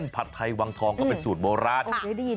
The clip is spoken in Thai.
ผัดไทยวังทองก็เป็นสูตรโบราณ